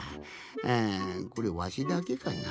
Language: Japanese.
あこれわしだけかな？